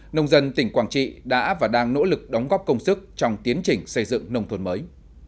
nông dân tỉnh quảng trị đã và đang nỗ lực đóng góp công sức trong tiến trình xây dựng nông thôn mới